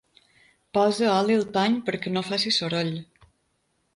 Posa oli al pany perquè no faci soroll.